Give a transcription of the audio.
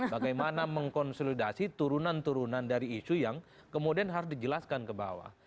bagaimana mengkonsolidasi turunan turunan dari isu yang kemudian harus dijelaskan ke bawah